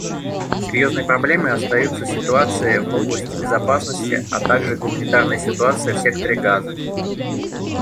Серьезной проблемой остаются ситуация в области безопасности, а также гуманитарная ситуация в секторе Газа.